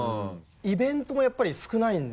イベントもやっぱり少ないんで。